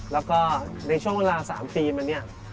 แล้วก็ในช่วงเวลา๓ปีมาเนี่ย